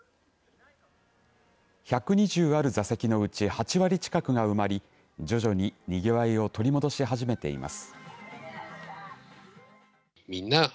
１２０ある座席のうち８割近くが埋まり徐々に、にぎわいを取り戻し始めています。